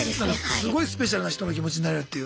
すごいスペシャルな人の気持ちになれるっていう。